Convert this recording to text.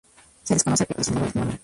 Se desconoce el motivo de su nombre.